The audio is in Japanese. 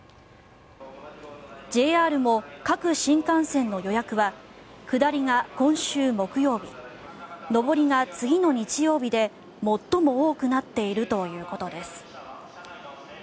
ＪＲも各新幹線の予約は下りが今週木曜日上りが次の日曜日で最も多くなっているということです。